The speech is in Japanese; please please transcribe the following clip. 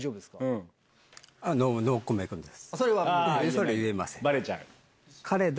それは言えません。